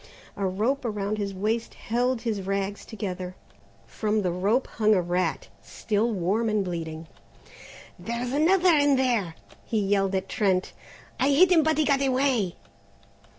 A rope around his waist held his rags together. From the rope hung a rat, still warm and bleeding. "There's another in there," he yelled at Trent; "I hit him but he got away."